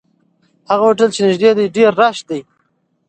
هغه هوټل چې نږدې دی، ډېر شلوغ دی.